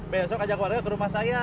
besok ajak warga ke rumah saya